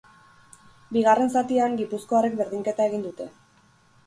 Bigarren zatian, gipuzkoarrek berdinketa egin dute.